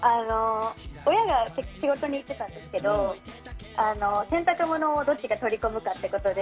親が仕事に行ってたんですけど洗濯物をどっちが取り込むかってことで。